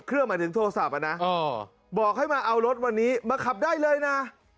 หมายถึงโทรศัพท์อ่ะนะบอกให้มาเอารถวันนี้มาขับได้เลยนะ